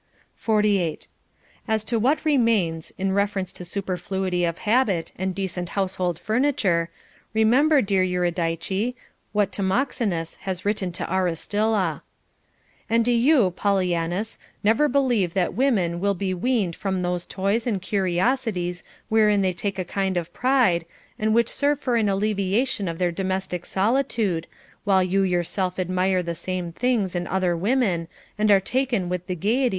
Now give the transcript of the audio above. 48. As to what remains, in reference to superfluity of habit and decent household furniture, remember, dear Eurydice, what Timoxenas has written to Aristylla. And do you, Pollianus, never believe that women will be weaned from those toys and curiosities wherein they take a kind of pride, and which serve for an alleviation of their domestic solitude, while you yourself admire the same things in other women, and are taken with the gayety CONJUGAL PRECEPTS.